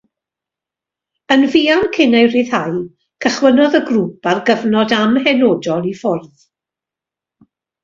Yn fuan cyn ei ryddhau, cychwynnodd y grŵp ar gyfnod amhenodol i ffwrdd.